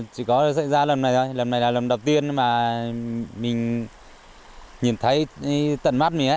chỉ có xảy ra lần này thôi lần này là lần đầu tiên mà mình nhìn thấy tận mắt nữa